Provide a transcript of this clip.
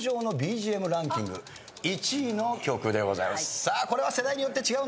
さあこれは世代によって違うのかな？